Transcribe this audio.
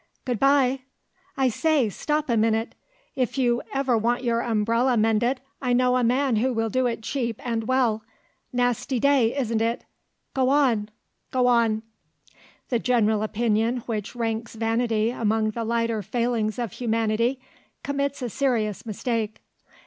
Good bye! I say! stop a minute. If you ever want your umbrella mended, I know a man who will do it cheap and well. Nasty day, isn't it? Go on! go on!" The general opinion which ranks vanity among the lighter failings of humanity, commits a serious mistake.